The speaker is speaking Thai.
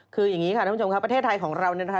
คืออย่างนี้ค่ะท่านผู้ชมครับประเทศไทยของเราเนี่ยนะคะ